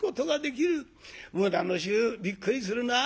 村の衆びっくりするなあ。